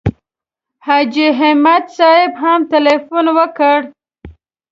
حاجي همت صاحب هم تیلفون وکړ.